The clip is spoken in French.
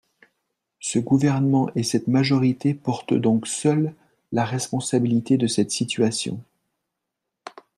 Ce gouvernement et cette majorité portent donc seuls la responsabilité de cette situation.